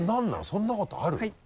そんなことある？